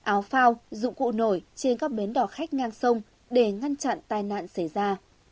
áo phao dụng cụ nổi trên các bến đỏ khách ngang sông để ngăn chặn tai nạn xảy ra